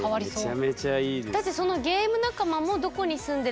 めちゃめちゃいいですね。